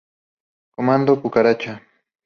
Comando Cucaracha.